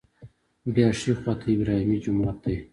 بیا ښي خوا ته ابراهیمي جومات دی.